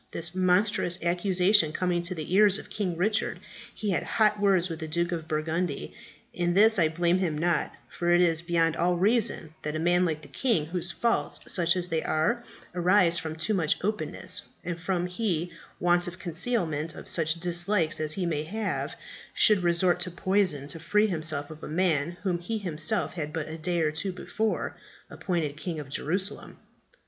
This monstrous accusation coming to the ears of King Richard, he had hot words with the Duke of Burgundy. In this I blame him not, for it is beyond all reason that a man like the king, whose faults, such as they are, arise from too much openness, and from the want of concealment of such dislikes as he may have, should resort to poison to free himself of a man whom he himself had but a day or two before appointed King of Jerusalem.